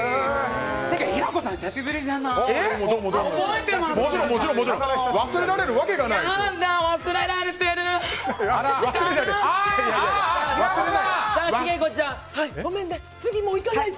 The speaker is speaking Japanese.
平子さん、久しぶりじゃない？